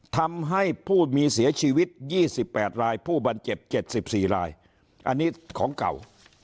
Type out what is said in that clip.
ทำให้ผู้มีเสียชีวิต๒๘รายผู้บันเจ็บ๗๔รายอันนี้ของเก่า